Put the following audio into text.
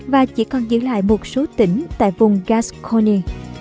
và chỉ còn giữ lại một số tỉnh tại vùng gascony